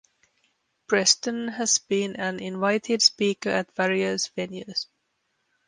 Preston has been an invited speaker at various venues.